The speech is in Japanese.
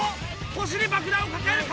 腰に爆弾を抱える金子